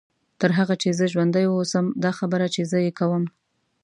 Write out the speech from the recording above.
تر هغه چې زه ژوندۍ واوسم دا خبرې چې زه یې کوم.